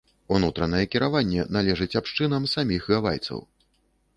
Унутранае кіраванне належыць абшчынам саміх гавайцаў.